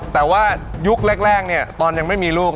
แต่ว่ายุคแรกเนี่ยตอนยังไม่มีลูก